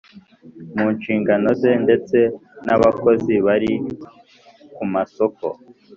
mu nshingano ze ndetse n Abakozi bari kumasoko